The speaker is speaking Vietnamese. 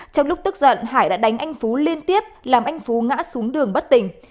trong lúc tức giận hải đã đánh anh phú liên tiếp làm anh phú ngã xuống đường bất tỉnh